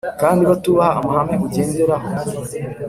kandi batubaha amahame ugenderaho